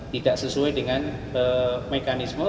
tidak sesuai dengan mekanisme